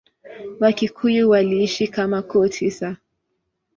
Wakikuyu waliishi kama koo tisa.